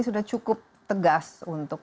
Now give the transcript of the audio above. sudah cukup tegas untuk